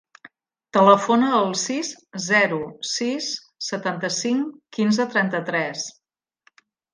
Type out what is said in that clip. Telefona al sis, zero, sis, setanta-cinc, quinze, trenta-tres.